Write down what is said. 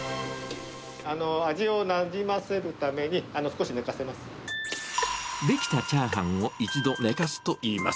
味をなじませるために、出来たチャーハンを一度寝かすといいます。